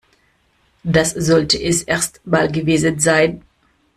Das sollte es erst mal gewesen sein.